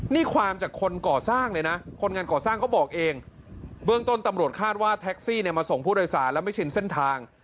นี่ความจากคนก่อสร้างเลยนะคนงานก่อสร้างเขาบอกเองเบื้องต้นตำรวจคาดว่าแท็กซี่เนี่ยมาส่งผู้โดยสารแล้วไม่ชินเส้นทาง